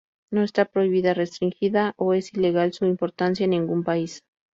No está prohibida, restringida o es ilegal su importación en ningún país.